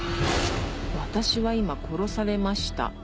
「私は今殺されました。